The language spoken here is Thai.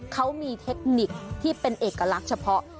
เขามีเทคนิคที่เป็นเอกลักษณ์เฉพาะ